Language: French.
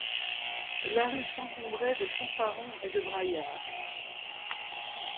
La rue s'encombrait de fanfarons et de braillards.